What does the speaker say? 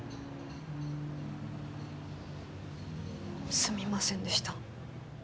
すみませんでした。